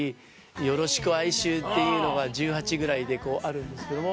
『よろしく哀愁』っていうのが１８歳ぐらいであるんですけども。